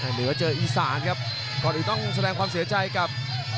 เหนือเจออีสานครับก่อนอื่นต้องแสดงความเสียใจกับ